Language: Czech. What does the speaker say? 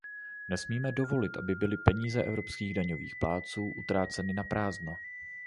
Nesmíme dovolit, aby byly peníze evropských daňových plátců utráceny naprázdno.